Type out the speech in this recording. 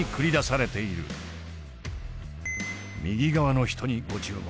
右側の人にご注目。